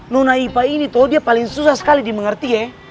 nona ipa ini tuh dia paling susah sekali dimengerti ye